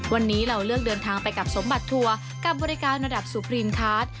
วันนี้เราเลือกเดินทางไปกับสมบัติทัวร์กับบริการระดับสุพรีนคาร์ด